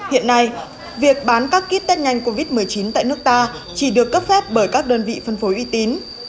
hiện nay việc bán các ký test nhanh covid một mươi chín tại nước ta chỉ được cấp phép bởi các đơn vị phân phối uy tín